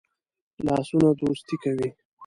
لاسونه دوستی کوي